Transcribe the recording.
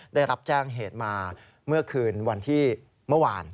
ได้รับแจ้งเหตุมาเมื่อคืนวันที่เมื่อวาน